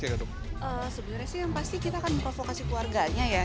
sebenarnya sih yang pasti kita akan memprovokasi keluarganya ya